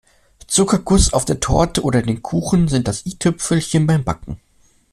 Zuckerguss auf der Torte oder den Kuchen sind das I-Tüpfelchen beim Backen.